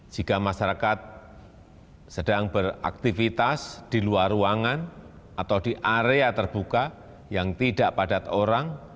jika masyarakat sedang beraktivitas di luar ruangan atau di area terbuka yang tidak padat orang